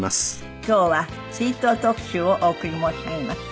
今日は追悼特集をお送り申し上げます。